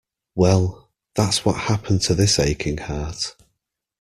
Well, that's what happened to this aching heart.